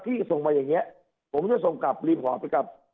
ที่ส่งมาอย่างเงี้ยผมจะส่งกลับรีหอไปกับ